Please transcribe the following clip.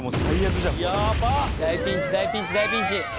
「大ピンチ大ピンチ大ピンチ」